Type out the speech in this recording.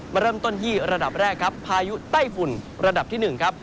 มาเริ่มต้นที่ระดับแรกครับพายุไต้ฝุ่นระดับที่๑ครับ